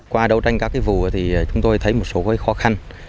qua đấu tranh các cái vụ thì chúng tôi thấy một số cái khó khăn